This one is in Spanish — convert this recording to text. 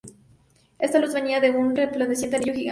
Esta luz venia de un resplandeciente anillo gigante.